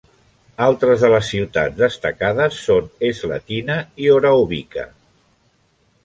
Altres de les ciutats destacades són Slatina i Orahovica.